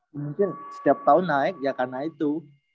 mungkin setiap tahun naik ya karena itu